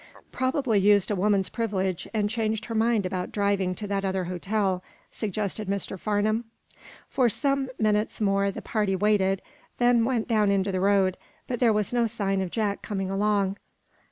"Probably used a woman's privilege, and changed her mind about driving to that other hotel," suggested Mr. Farnum. For some minutes more the party waited, then went down into the road, but there was no sign of Jack coming along.